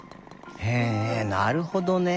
へえなるほどね。